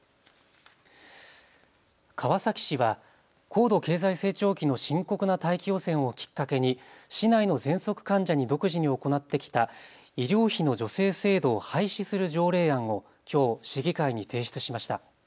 川崎市は高度経済成長期の深刻な大気汚染をきっかけに市内のぜんそく患者に独自に行ってきた医療費の助成制度を廃止する条例案をきょう市議会に提出しました。